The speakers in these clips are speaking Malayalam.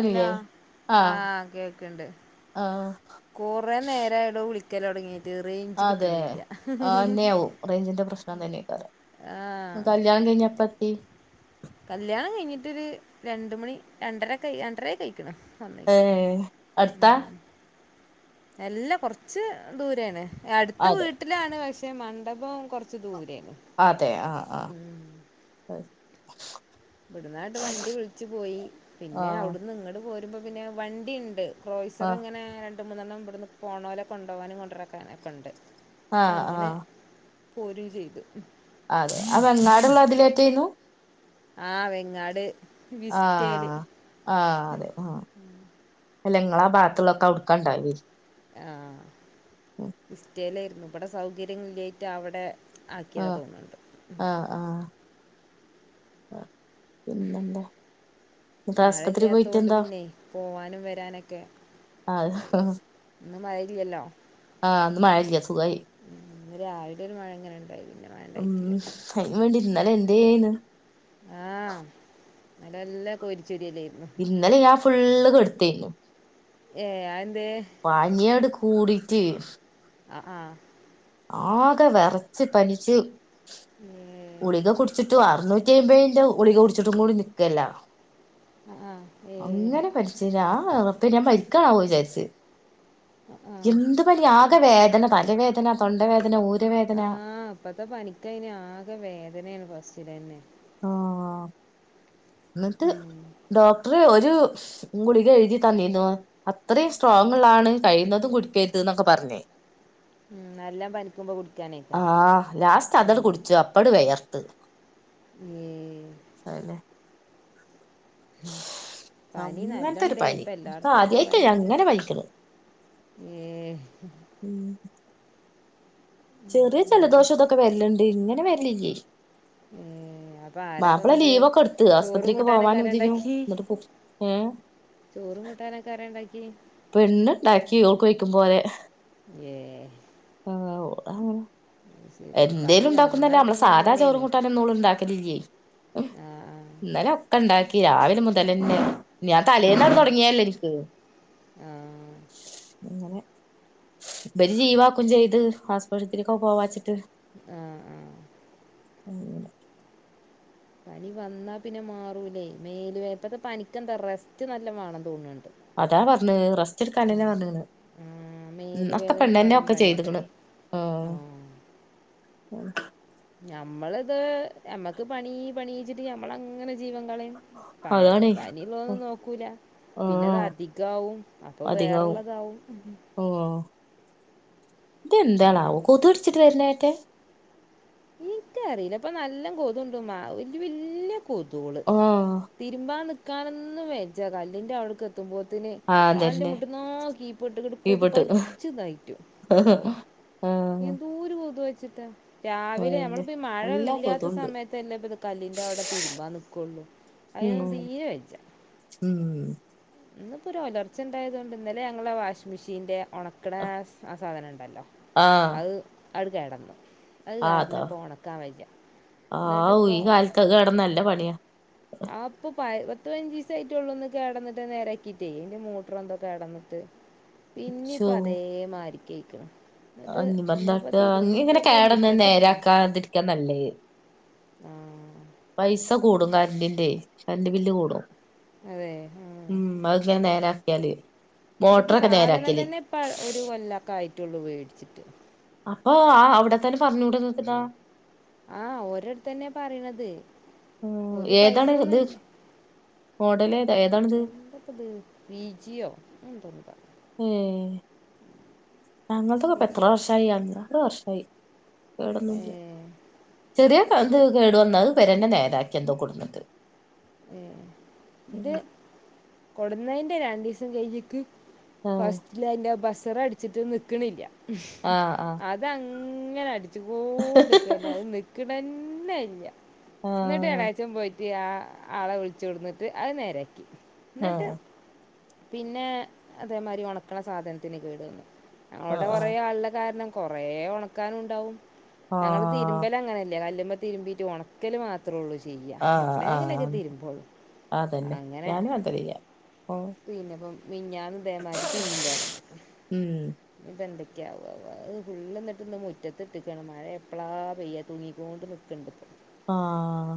ഹലോ ആഹ് ആഹ കേക്ക്ണ്ട്. ആഹ് കുറെേ നേരായ ടൊ വിളിക്കല് തുടങ്ങി റേഞ്ച് അതെ കിട്ട്ണ്ല. ആഹ് എന്നെയാവും ആ. കല്ല്യാണം കഴിഞ്ഞ് എപ്പൊ എത്തി? കല്യാണം കഴിഞ്ഞ്ട്ടര് രണ്ട് മണി രണ്ടര ഒക്കെ രണ്ടരഒക്കെ ആയിക്ണ്. ഏ. അടുത്ത? എല്ല, കൊറച്ച് ദൂരാണ്. അടുത്ത അതെ വീട്ട ല്ലാണ് പക്ഷെ മണ്ഡപം കുറച്ച് ദൂരെയാണ്. അതെ, ആ ആ. ഇവിടുന്നാങ്ങട്ട് വണ്ടി വിളിച്ചു പോയി, പിന്നെ ആഹ് അവിടുന്ന് ഇങ്ങട്ട് പോരുമ്പോ പിന്നെ വണ്ടിണ്ട്. ക്രോയ്സർ ആഹ് ഇങ്ങനെ രണ്ട് മൂന്നെണ്ണം ഇവിടുന്ന് പോണോലെ കൊണ്ടോവാനും, കൊണ്ടക്കാനൊക്കെ ഉണ്ട്. ആഹ് അങ്ങനെ ആഹ് പോരും ചെയ്തു. അതെ, അ വെങ്ങാടുള്ള അതിലേറ്റെയിനു? ആ, വെങ്ങാട്. ആ... വിസ്റ്റേല് ആ അതെ,. അല്ല നിങ്ങളാ പാകത്തുള്ളൊക്കെ അടുക്കാണ്ടാവോ. ആ, ഇസ്റ്റയിലായിരുന്നു. ഇവിടെ സൗകര്യം ഇില്ലായിട്ട് അവിടെ. ആക്കിയതാ ആഹ തോന്നുന്നുണ്ട് ആഹ ആഹ് ആ, പിന്നെന്താ? എന്നിട്ട് മഴ ആസ്പത്രി ഇല്ലാത്തോണ്ട് പോയിട്ടെന്താ പിന്നെ പോവാനും വരാനൊക്കെ ആഹ് സുഖായി. ഇന്ന് മഴ ഇല്ലെല്ലോ.? ആ, ഇന്ന് മഴ ഇല്ല സുഖായി. ഇന്ന് രാവിലെ ഒരു മഴ ഇങ്ങനെ ഉണ്ടായി മഴ ഉം, ഉണ്ടായിട്ടില്ല അതിന് വേണ്ടി ഇന്നലെ എന്തേയ്ന്. ആ.. ഇന്നലെ നല്ല കോരിച്ചരിയല്ലേയിന്. ഇന്നലെ ഞാൻ ഫുള്ള് കെടുത്തേയിനു. ഏ, അത് എന്തേ? പനി അങ്ങട്ട് കൂടിട്ട്. അ ആ.. ആകെ വെറച്ച് പനിച്ച് ഏഹ് കുളിക കുടിച്ചിട്ടും അറനൂറ്റി യെവൈന്റെ കുളിക കുടിച്ചിട്ടും കൂടി നിക്കല്ല. ആഹ് ആഹ് ഏഹ് അങ്ങനെ പനിചീന് ആവോ റപോ ഞാൻ മരിക്കാണാവോ വിചാരിച്. ആഹ് ആഹ് എന്ത് പനി ആകെ വേദന, തലവേദന, തൊണ്ടവേദന, ഊരവേദന. ആ, ഇപ്പത്തെ പനിക്ക അയിന് ആകെ വേദനയാണ് ഫസ്റ്റിലെന്നെ. ആ. ന്നട്ട് ഉം ഡോക്ടർ ഒരു.. ഗുളിക എഴുതി തന്നിനു അത്രയും സ്ട്രോങ്ള്ളാണ്. കഴിയുന്നതും കുടിക്കരുത് എന്നൊക്കെ പറഞ്ഞ്. ഉം, നല്ലം പനിക്കുമ്പോ കുടു ആ.. ലാസ്റ്റ് അതാണ്ട് കുടിച്ചു അപ്പാണ്ട് വെയർത്ത്. ഏഹ് അതെന്നെ. പനി അങ്ങനത്തെ ഒരു നല്ലണ്ട്, പനി ഇപ്പ ഇൻക്ക് എല്ലാട്ത്തും നല്ല ആദ്യായിട്ടാ ഞാൻ പനിണ്ട്. ഇങ്ങനെ പനിക്ക്ണ് ഏ? ഉം. ഉം, ചെറിയ അപ്പ ജലദോഷം ഇതൊക്കെ വരല്ണ്ട്. ഇങ്ങനെ വരല് ഇല്ലെ. എ ആ ആരപ്പന്നിട്ട് ലീവൊക്കെ എടുത്ത് ചോറും ആസ്പത്രിക്ക് കൂട്ടാനൊക്കൊ പോവാനും ആരാ ഇതിനും ണ്ടാക്കി? എന്നിട്ട് പു ഏഹ് ചോറും, കൂട്ടാനൊക്കെ ആരാണ്ടാക്കി? പെണ്ണ്ണ്ടാക്കി ഓൾക്ക് വെയ്കുംപോലെ. ഏഹ്. ആഹ്, ഓ ശരി പനി എന്തേലും വന്നാ ഉണ്ടാക്കുന്നല്ലാ നമ്മളെ പിന്നെ സാധാ അങ്ങനെയാണ് ചോറും കൂട്ട ന്നോളൊന്നും ഉണ്ടാക്കലില്ലേ? ആ ആ ഇന്നലെ ഒക്കെ ഇണ്ടാക്കി രാവിലെ മുതലന്നെ ഞാൻ തലേന്നാണ്ട് തുടങ്ങിയല്ലേ എനിക്ക്. ആഹ്.. അങ്ങനെ ഇവര് ലീവാക്കും ചെയ്ത് ആസ്പർത്രിക്ക് പോവാച്ചി ട്ട് ആ ആ പനി വന്നാ പിന്നെ മാറൂലേ മേല് വേ ഇപ്പത്തെ പനക്കെന്താ റെസ്റ്റ് നല്ലോം വേണം തോന്ന്ണ്ട് അതാ പറഞ്ഞ് റസ്റ്റ് എടുക്കാനന്നെ വന്നണ് ആ ഉം മേല് അക്കെ വേദന പെണ്ണന്നെ മാറാൻ ഒക്കെ പണിയാത്രേ ചെയ്ത്ക്ക്ണ് ആ ആഹ് ഞമ്മളിത് ഞമ്മക്ക് പണി പണീച്ചിട്ട് ഞമ്മളങ്ങനെ ജീവൻ കളെം പ അതാണ് പനീള്ളൊന്നും നോക്കൂല പിന്നത് ആഹ് അധികാവും അപ്പൊ വേറെള്ളതാവും ഓ ഇതെന്താണാവൊ അതന്നെ കൊതു കടിച്ചിട്ട് വരുന്നായിട്ടെ ഇക്ക് അറീല്ല ഇപ്പൊ നല്ലം കൊതുണ്ട് മാ വല്യ വല്യ കൊതൂള് ആഹ് തിരുമ്പാ നിക്കാനൊന്നു വേജാ കല്ലിന്റെ അവിടുക്ക് ത്തുമ്പോത്തെന് ആഹ് കാലിന്റെ അതന്നെ മുട്ട്ന്നാ കീപ്പട്ട്ങ്ങട് കൊതു കടിച്ച്തായിറ്റും അഹ്ഹ എന്തൂര് കൊതു കയ്ച്ചിട്ടാ രാവിലെ അതന്നെ നമ്മളപ്പോ നല്ല മഴല്ലാത്ത കൊതുണ്ട് സമയത്ത് തെന്നെപ്പത് കല്ലിന്റവിടെ തിരുമ്പാൻ നിക്കുള്ളൂ ഉം അതിനൊന്നും തീരെ വെജ്ജ ഉം ഇന്നിപ്പോ ഒരൊലർച്ചണ്ടായതൊണ്ട് ഇന്നലെ ഞങ്ങളെ വാഷിംഗ് മെഷീന്റെ ഒണക്കണ ആ സാധനണ്ടല്ലോ ആഹ് അത് ആട് കേടന്നോ അത് ആഹ് കാരണം അതാ ഇപ്പോണക്കാൻ വയ്യ എന്നിട്ട്പ്പോ ത് കേടന്നല്ല പണിയാ ആ അപ്പൊ പയ് പത്ത് പയ്ഞ്ചീസായിട്ടുള്ളൂന്ന് കേടന്നട്ട് നേരാക്കിയിട്ടേ അയ്ന്റ മോട്ടറെന്തൊ കേടന്നിട്ട് പിന്നിപ്പതേ മാരിക്കെയ്ക്കണം [unintelligible] നീ ഇങ്ങനെ കേടന്നു മുറ്റത്തിട്ടിക്കണം നേരാക്കാതിരിക്കാ നല്ലേ ആ പൈസ കൂടും കരണ്ടിന്റെ കറന്റ് ബില്ല് കൂടും അതെ ഉം അത്ങ്ങനെ നേരാക്കിയാല് ഇതിപ്പോ മോട്ടറൊക്കെ സാധനം നേരാക്കിയല് തന്നെ പ ഒരു കൊല്ലക്കെ ആയിട്ടുള്ളൂ വേടിച്ചിട്ട് അപ്പൊ ആ അവിടെത്തന്നെ പറഞ്ഞൂടെ [unintelligible] ആഹ ഓരോടത്തന്നെയ പറേണത് ഒരു ഇത് പൈസൊന്നുംല്ല മോഡലേത ഏതാണ് എന്തപ്പത് പി ജിയോ [unintelligible] ഏഹ് ഞങ്ങൾത്തതുപ്പെത്ര പിന്നെ വർഷായി അഞ്ചാറ് വർഷായി കേടന്നുല്യ. ഏഹ് ഇത് [unintelligible] ഒന്നാത് വെരന്ന നേരാക്കി എന്തോ കൊട്ത്തിട്ട് ഏ ഇത് കൊടന്നേന്റെ രണ്ടീസം കയിഞ്ഞിട്ട് ആ ഫസ്റ്റില് അയ്ന്റെ ബസറടിച്ചിട്ട് നിക്കണില്ല ആ ആ ഇതങ്ങനെ അടിച്ചുകൂണ്ട്ക്ക്ന്ന അത് നിക്കണന്നല്ല്യ ആ എന്നിട്ടെളാച്ചം പോയിട്ട് ആ ആളെ വിളിച്ചു കൊടന്നിട്ട് അത് നേരാക്കി ആ എന്നിട്ട് പിന്നെ അതേമാരി ഒണക്കണ സാധനത്തിന് കേട് വന്നു ആ ഞങ്ങളാടെ കൊറേ ആള ള്ള കാരണം കൊറേ ഒണക്കാനുണ്ടാവും ആ ഞങ്ങള് തിരുമ്പലങ്ങനല്ലേ കല്ലുമ്മെ തിരുമ്പീട്ട് ഒണക്കല് മാത്രേള്ളൂ ചെയ്യ്യ ആ ആ ആ എപ്പളേല്ത് [unintelligible] അതന്നെ അങ്ങനെ ഞാനും അങ്ങൻ ചെയ്യാ ഓ പിന്നെപ്പം മിഞ്ഞാന്ന് ഇതേമാരി പിന്നെം കേടന്ന് ഉം [unintelligible] എന്തൊക്കെയാവാവാ ഫുള്ള് എന്നിട്ട്ന്ന് മുറ്റത്ത്ട്ടക്കാണ് മഴ എപ്പളാ പെയ്യ തൂങ്ങിക്കോണ്ട് ക്ണ്ട്പ്പോ ആഹ്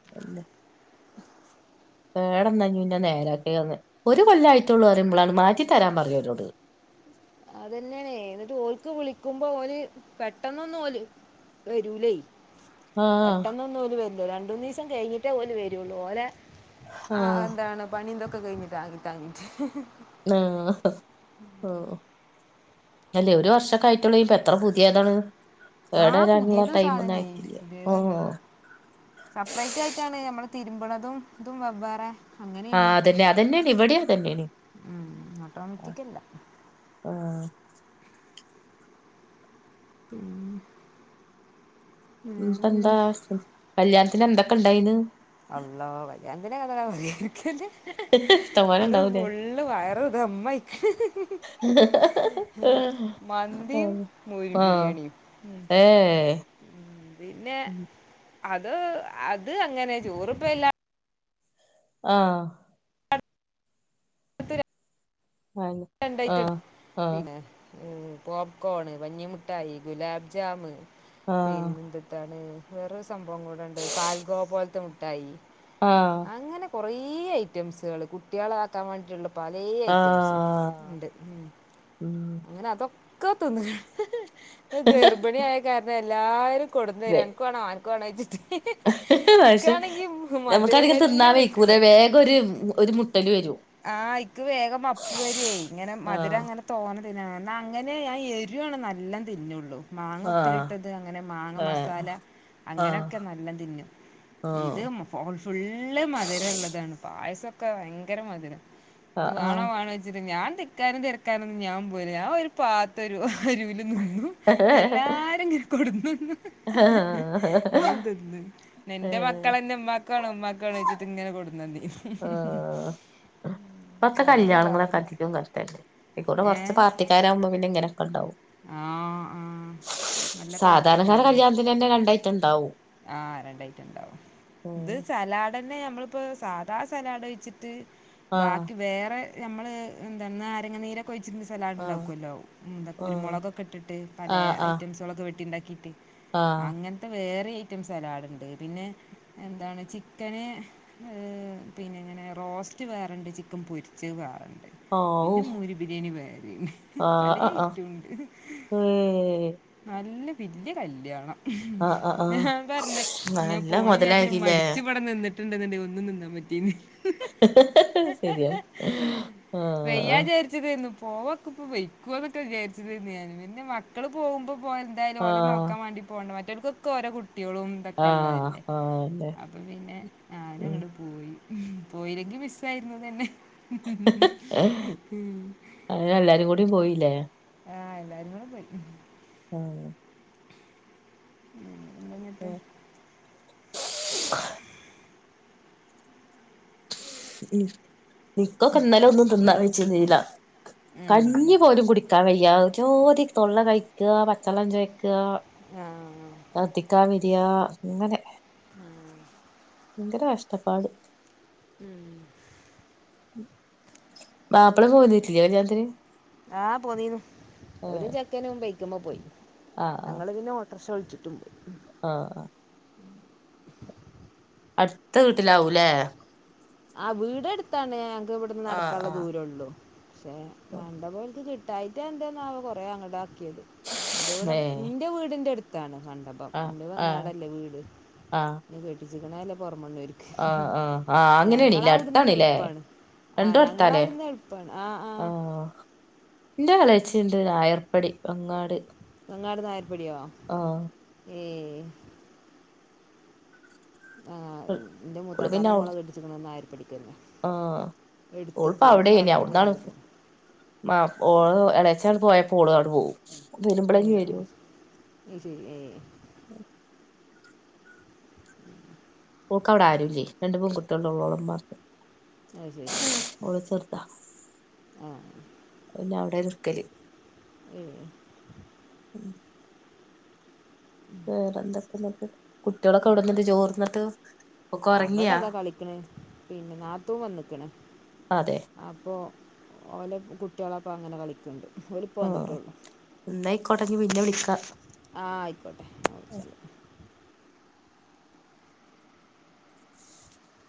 [inaudible] വേടന്നഞ്ഞു പിന്നെ നേരാക്കി ഒന്ന് ഒരു കൊല്ല ആയിട്ടൊള്ളു പറയുമ്പോളാണ് മാറ്റി തരാൻ പറയോരോട് അതന്നെണേ എന്നിട്ട് ഓല്ക്ക് വിളിക്കുമ്പോ ഓല് പെട്ടന്നൊന്ന് ഓല് വെരുലേ ആ പെട്ടെന്നൊന്നും ഓൽ വര്ല്ല രണ്ടൂന്നിസം കഴിഞ്ഞിട്ടേ ഓൽ വരുള്ളൂ ഓലേ ആ എന്താണ് പണിന്തൊക്കെ കൈഞ്ഞിട്ടാ താങ്ങി താങ്ങിട്ട് ആഹ് ആഹ് അല്ലേ ഒരു വർഷൊക്ക ആയിട്ടുള്ളേ ഇപ്പൊ എത്ര പുതിയതാണ് ആ കേടാരാനുള്ള പുതിയത് ടൈമ് ഒന്നും സാധനേ ആയിട്ടില്ല ഓ പുതിയതാണ് സെപ്പറേറ്റ് ആയിട്ടാണ് നമ്മള് തിരുമ്പ്ണതും ഇതും വെവ്വേറെ. അങ്ങനെയാണ് ആഹ് അതന്നെ അതന്നെയാണ് ഇവിടെയും അതന്നെയാണ് ഉം ഓട്ടോമാറ്റിക്കല്ല ആഹ് ഉം പ്പ വേറെന്താ എന്താ കല്യാണത്തിന് എന്തൊക്കെ ഇണ്ടായിന്ന്? അള്ളോ കല്ല്യാണത്തിന [unintelligible] ഇഷ്ടംപോലെ ഇന്ന് ഇണ്ടാവൂലേ ഫുള്ള് വയർ ദമ്മായിക്ക് [unintelligible] മന്തിം മൂരി ആഹ് ബിരിയാണിം ഏഹ് പിന്നെ അത് അത് അങ്ങനെ ചോറ്പ്പല്ല. ആഹ് [unintelligible] ആഹ് രണ്ടായി ആഹ് ആഹ് പിന്നെ പോപ്കോണ്, പഞ്ഞിമുട്ടായി, ഗുലാബ് ജാം ആഹ് പിന്നെന്ത്താണ്. വേറൊരു സംഭവം കൂടെണ്ട് പാൽഗോ പോലത്തെ മുട്ടായി. ആഹ് ഇങ്ങനെ കൊറേ ഐറ്റംസുകൾ കുട്ട്യളാക്കാൻ വാണ്ടിട്ടുള്ള പലേ ഐറ്റംസ് ആഹ് ഉണ്ട് ഉം. ഉം അങ്ങനെ അതൊക്കെ തിന്ന് ഗർഭിണി ആയ കാരണം എല്ലാരും. കൊണ്ട്ന്നരാ വേ അൻക്ക് വാണോ അൻക്ക് വാണോ [unintelligible] പക്ഷെ മധുരം നമുക്കധികം തിന്നാ തന്നെ വൈക്കൂല പറ്റൂല വേഗരു ഒരു മുട്ടല് വരും. ആഹ് ഇക്ക് വേഗം അപ്പു വരേ ഇങ്ങനെ ആഹ് മധുരങ്ങനെ തോനെ തിന്നണം അങ്ങനെ ഞാൻ എരു ആണ് നല്ല തിന്നുള്ളൂ. മാങ്ങ ആഹ് ഉപ്പ്ലിട്ടത് അങ്ങനെ മാങ്ങ മസാല ആഹ് അങ്ങനെക്കെ ആഹ് നല്ല തിന്നും. ഇത് മു ഫുള്ള് മധുരം ഉള്ളതാണ് പായസക്കെ ഭയങ്കര മധുരം ആഹ് ഇത് വാണോ ആഹ് വാണോ ഞാൻ തിക്കാനും തെരക്കാനും ഞാൻ പോ [unintelligible] ഞാ ഒരു പാത്തരു അരുവിൽ നിന്നു എല്ലാരും ഇങ്ങനെ കൊട്ന്നന്നു ആഹ് നിന്റെ മക്കളന്നെ മ്മാക്കാണ് ഉമ്മാക്കാണ് വെച്ചിട്ട് ഇങ്ങനെ കൊട്ന്നന്നീനി ഇപ്പറത്തെ കല്യാണങ്ങളൊക്കെ അധികം കഷ്ടന്നെ [unintelligible] കൊർച്ച് ഏഹ് പാർട്ടിക്കാരാവുമ്പോ പിന്നെ ഇങ്ങനൊക്കെണ്ടാവും. ആ ആ നല്ല സാധാരണക്കാര പാർട്ടിക്കാരാണ് കല്ല്യാണത്തിനന്നെ രണ്ടയ്റ്റണ്ടാവും. ആഹ് രണ്ടയ്റ്റണ്ടാവും. ഇത് ഉം സലാഡ് തന്നെ നമ്മള്പ്പോ സാധാ സലാഡ് കഴ്ച്ചിട്ട് ആഹ് ബാക്കി വേറെ നമ്മള് ന്തന്ന നാരങ്ങനീര് ഴിച്ചി സലാഡ് ആഹ് ഉണ്ടാക്കുല്ലോ ന്ത ആഹ് കുരുമളൊകൊക്കെ ഇട്ട്ട്ട് പലേ ആഹ് ആഹ് ഐറ്റംസ്. ളൊക്കെ വെട്ടി ഇണ്ടാക്കിട്ട് ആഹ് അങ്ങനത്തെ വേറെ ഐറ്റം സലാഡ്ണ്ട് പിന്നെ എന്താണ് ചിക്കന് പിന്നെ ഇങ്ങനെ റോസ്റ്റ് വേറണ്ട് ചിക്കൻ പൊരിച്ചേ വേറണ്ട്. പിന്നെ ഓഹ് മൂരി ബിരിയാണി വേറണ്ട് ആഹ് പലേ ആഹ് ആഹ് ഐറ്റുണ്ട്. ഏഹ് നല്ല വല്ല്യ കല്ല്യാണ ആ ആ ആ [unintelligible] ഞാൻ പറഞ്ഞേ ഞാൻ പോണ് ല്ല്യച്ചിട്ട് മൊതലായിരിക്കുല്ലേ മടിച്ചു വടെ നിന്നിട്ടുണ്ടെന്നണ്ട ഒന്നും [unintelligible] [unintelligible] ശരിയാ ആ [unintelligible] പോവ ക്ക് പ്പോ വെയ്ക്കോ ന്ന് ഒക്കെ [unintelligible] മക്കൾ പോവുമ്പോ [unintelligible] [unintelligible] ഓലെ ആഹ് നോക്കാൻ വേണ്ടി [unintelligible] മറ്റൊര്ക്കൊക്ക ഓരോ കുട്ട്യോളും. ആഹ് [unintelligible] ആഹ് അതെ അപ്പം പിന്നെ ഞാനും ഉം അങ്ങട് [unintelligible] [unintelligible] പോയില്ലെങ്കിൽ മിസ്സായിരുന്നു തന്നെ [unintelligible] ഉം [unintelligible] എല്ലാരും കൂടി പോയില്ലേ. ആ എല്ലാരും കൂടെ പോയി. ആ [unintelligible] ന്താ ന്നിട്ട്. നിക്കൊക്ക ഇന്നലൊന്നും തിന്നാ വയ്ച്ചീന്നില്ല ഉം. കഞ്ഞി പോലും [unintelligible] [unintelligible] ജ്ജാതി തൊള്ള കയിക്ക, പച്ചൊള്ളം ചോയ്ക്ക. ആ ആ [unintelligible] വരാ അങ്ങനെ. ഉം [unintelligible] കഷ്ടപ്പാട് ഉം മാപ്പള [unintelligible] കല്യണത്തിന് ആ പൊന്നീനു ഓലും ചെക്കനും ബൈകുമപൊയി ആഹ് ഞങ്ങള് പിന്നെ [unintelligible] [unintelligible] വിളിച്ചിട്ടും പോയ്‌. ആ ആ അടുത്ത വീട്ടിലാവൂല്ലേ. ആ വീട് എട്ത്താണ് ഞങ്ങക്ക് ഇവിടുന്ന് ആഹ് നടക്കാനുള്ള ആഹ് ദൂരള്ളൂ പക്ഷേ മണ്ടബം [unintelligible] [unintelligible] കുറേ അങ്ങട് ആക്കിയത് [unintelligible] ഏഹ് ന്റെ വീടിൻ്റെ അടുത്താണ് മണ്ടബം. ആഹ് ആഹ് [unintelligible] വീട് ന്നെ കെട്ടിച്ചക്കണല്ലേ [unintelligible] ആ ആ ആ അങ്ങനെണില്ലേ അടുത്താണ് ല്ലേ. എളുപ്പാണ് ആഹ് രണ്ടും അടുത്താലേ ഞങ്ങളവിടുന്ന് എളുപ്പാണ് ആഹ് ആ. ആഹ് ന്റെ എളയിച്ചീണ്ട്. [unintelligible] [unintelligible] നായർപടിയോ ഏ ആ ന്റെ ഓള് പിന്നെ മൂത്താപ്പന്റെ മോള അവി കെട്ടിച്ചിണ് നായര്പ്പടിക്ക. ആഹ് എടുത്ത്ക്ക് ഓൾക്ക് നടന്ന് പോരാനുള്ളൂ. ആ ഓള് എളച്ചി പോയ പ്പോ ഓള് ആണ്ട് പോവും വരുമ്പളേ ഏയ് അത് [unintelligible] ശ- [unintelligible] ശരി ഏ [inaudible] ഓക്ക് അവിടെ ആരുല്ലേ രണ്ട് പെൺകുട്ട്യോൾ [unintelligible] അയ്ശരി [unintelligible] ചെറുതാ [unintelligible] അവിടെ നിക്കല്. [unintelligible] വേറെന്തൊക്കെ ന്നിട്ട് കുട്ടികളൊക്കെ എവിടുന്ന് ചോറിന്നിട്ട് ഒക്കെ അവിടെ ഉറങ്ങിയാ. [unintelligible] പിന്നെ നാത്തൂൻ വന്നിക്ക്ണ്. [inaudible] അപ്പോ ഓലെ കുട്ട്യോൾ അപ്പോ അങ്ങനെ കളിക്ക്ണ്ട്. [unintelligible] ന്നാ ആയ്കോട്ടെ ഇഞ് പിന്നെ വിളികാ. ആ ആയിക്കോട്ടെ [unintelligible]